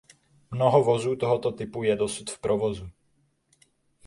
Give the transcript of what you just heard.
Mnoho vozů tohoto typu je dosud v provozu.